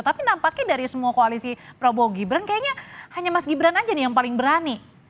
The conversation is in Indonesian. tapi nampaknya dari semua koalisi prabowo gibran kayaknya hanya mas gibran aja nih yang paling berani